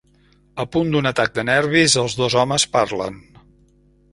A punt d'un atac de nervis, els dos homes parlen.